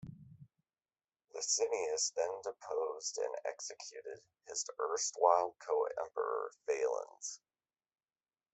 Licinius then deposed and executed his erstwhile co-emperor Valens.